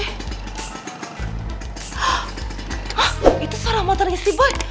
hah itu suara motornya si boy